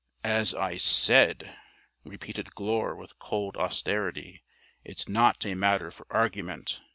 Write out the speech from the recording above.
"As I said," repeated Glure with cold austerity, "it's not a matter for argument.